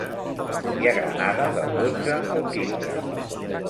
I a Granada del dotze al quinze.